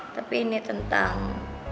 tapi ini tentang